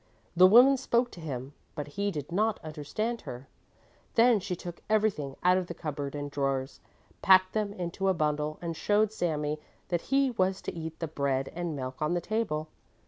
The woman spoke to him, but he did not understand her. Then she took everything out of the cupboard and drawers, packed them into a bundle and showed Sami that he was to eat the bread and milk on the table.